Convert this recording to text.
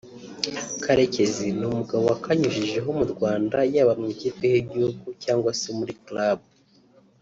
Karekezi ni umugabo wakanyujijeho mu Rwanda yaba mu ikipe y’Igihugu cyangwa se muri Club